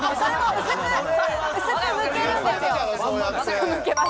薄く剥けるんですよ。